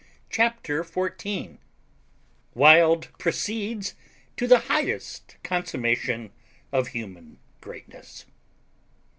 CHAPTER FOURTEEN WILD PROCEEDS TO THE HIGHEST CONSUMMATION OF HUMAN GREATNESS.